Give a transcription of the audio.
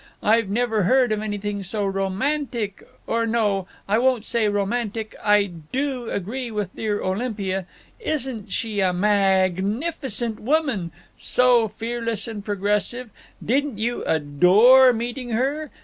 I've never heard of anything so romantic—or no, I won't say 'romantic'—I do agree with dear Olympia—isn't she a mag_nifi_cent woman—so fearless and progressive—didn't you adore meeting her?